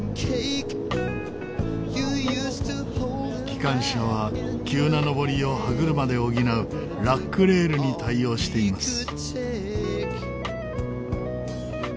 機関車は急な上りを歯車で補うラックレールに対応しています。